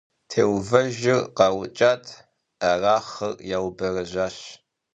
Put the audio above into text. Теувэжыр къаукӀащ, Арахъыр яубэрэжьащ.